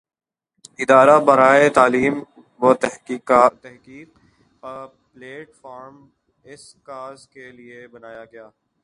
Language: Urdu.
ادارہ برائے تعلیم وتحقیق کا پلیٹ فارم اس کاز کے لئے بنایا گیا۔